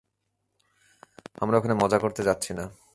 আমরা ওখানে মজা করতে যাচ্ছি না।